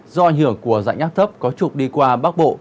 do ảnh hưởng của dạnh áp thấp có trục đi qua bắc bộ